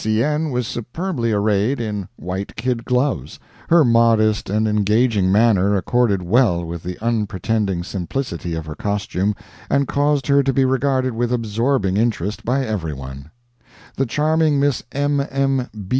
C. N. was superbly arrayed in white kid gloves. Her modest and engaging manner accorded well with the unpretending simplicity of her costume and caused her to be regarded with absorbing interest by every one. The charming Miss M. M.